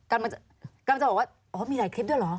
กำลังจะบอกว่าอ๋อมีหลายคลิปด้วยเหรอ